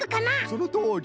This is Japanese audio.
そのとおり！